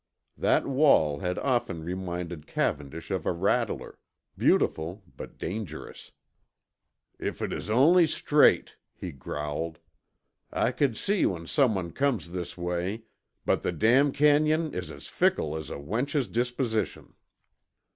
That wall had often reminded Cavendish of a rattler, beautiful but dangerous. "If it uz only straight," he growled, "I c'd see when someone comes this way. But the damn canyon is as fickle as a wench's disposition."